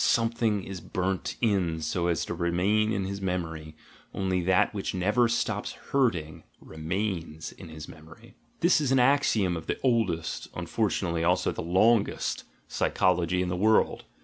"Some thing is burnt in so as to remain in his memory: only that which never stops hurting remains in his memory." This is an axiom of the oldest (unfortunately also the longest) psychology in the world.